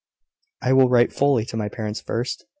I will write fully to my parents first.